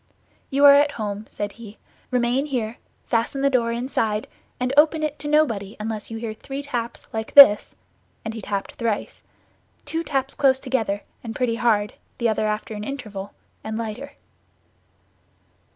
"You are at home," said he. "Remain here, fasten the door inside, and open it to nobody unless you hear three taps like this;" and he tapped thrice—two taps close together and pretty hard, the other after an interval, and lighter.